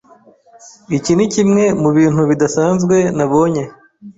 Iki nikimwe mubintu bidasanzwe nabonye.